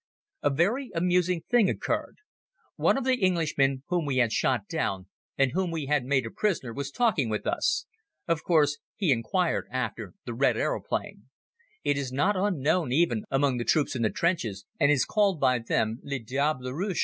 A very amusing thing occurred. One of the Englishmen whom we had shot down and whom we had made a prisoner was talking with us. Of course he inquired after the Red Aeroplane. It is not unknown even among the troops in the trenches and is called by them "le diable rouge."